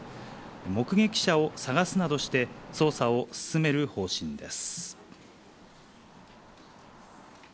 目撃者を探すなどして、捜査を進める方針です。